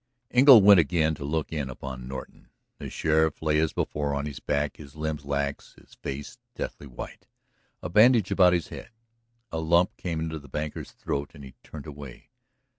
Engle went again to look in upon Norton. The sheriff lay as before, on his back, his limbs lax, his face deathly white, a bandage about his head. A lump came into the banker's throat and he turned away.